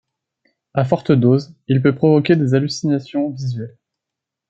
À forte dose, il peut provoquer des hallucinations visuelles.